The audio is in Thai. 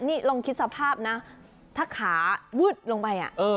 นี่ลองคิดสภาพนะถ้าขาวืดลงไป